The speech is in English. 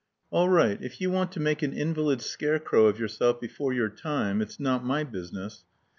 "All right. If you want to make an invalid scarecrow of yourself before your time, it's not my business.